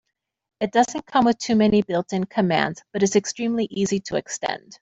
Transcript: It doesn't come with too many built-in commands, but it's extremely easy to extend.